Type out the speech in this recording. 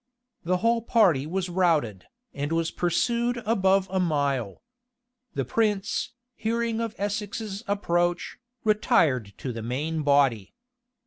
The whole party was routed, and was pursued above a mile. The prince, hearing of Essex's approach, retired to the main body.